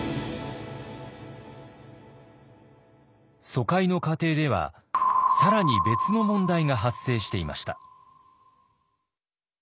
疎開の過程では更に別の問題が発生していました。